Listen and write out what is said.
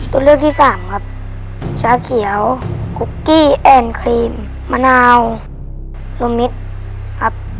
ตัวเลือกที่สามครับชาเขียวคุกกี้แอนด์ครีมมะนาวลมมิตรครับ